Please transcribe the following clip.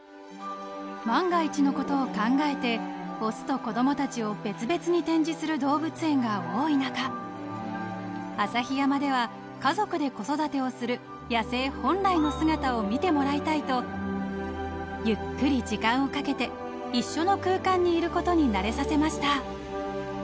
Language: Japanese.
［万が一のことを考えて雄と子供たちを別々に展示する動物園が多い中旭山では家族で子育てをする野生本来の姿を見てもらいたいとゆっくり時間をかけて一緒の空間にいることに慣れさせました］